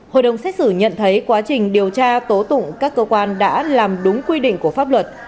hội đồng xét xử nhận thấy quá trình điều tra tố tụng các cơ quan đã làm đúng quy định của pháp luật